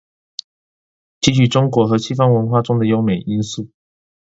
擷取中國和西方文化中的優美因素